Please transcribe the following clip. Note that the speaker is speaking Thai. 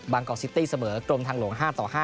บางกอกซิตี้เสมอกรมทางหลวง๕๕